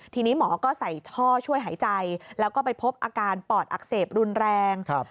ทีนี้หมอก็ใส่ท่อช่วยหายใจแล้วก็ไปพบอาการปอดอักเสบรุนแรง